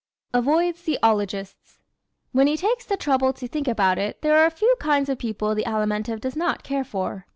Avoids the "Ologists" ¶ When he takes the trouble to think about it there are a few kinds of people the Alimentive does not care for.